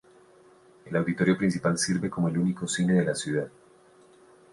El auditorio principal sirve como el único cine de la ciudad.